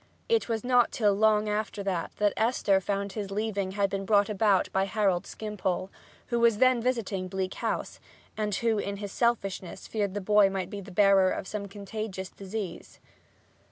It was not till long after that Esther found his leaving had been brought about by Harold Skimpole, who was then visiting Bleak House, and who, in his selfishness, feared the boy might be the bearer of some contagious disease.